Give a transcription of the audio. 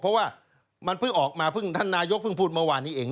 เพราะว่ามันเพิ่งออกมาเพิ่งท่านนายกเพิ่งพูดเมื่อวานนี้เอง